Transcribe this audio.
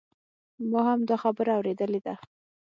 ما هم دا خبره اوریدلې ده